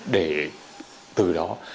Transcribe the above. để từ đó